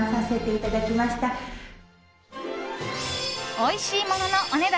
おいしいもののお値段